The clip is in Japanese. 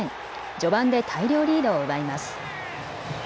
序盤で大量リードを奪います。